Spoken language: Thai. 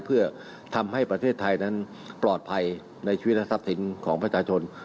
เพื่อทำให้ประเทศไทยนั้นปลอดภัยในชีวิตและทรัพย์สินของประชาชน